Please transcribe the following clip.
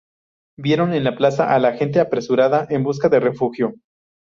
Vieron en la plaza a la gente apresurada en busca de refugio.